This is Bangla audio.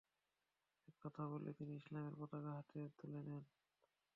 একথা বলেই তিনি ইসলামের পতাকা হাতে তুলে নেন।